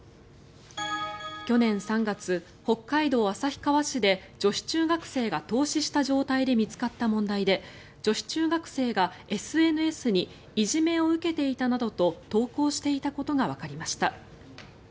去年３月、北海道旭川市で女子中学生が凍死した状態で見つかった問題で女子中学生がＳＮＳにいじめを受けていたなどと投稿していたことがわかりました。